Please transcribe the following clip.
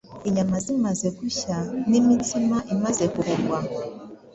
Inyama zimaze gushya n'imitsima imaze kuvugwa